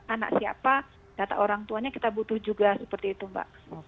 anak siapa data orang tuanya kita butuh juga seperti itu mbak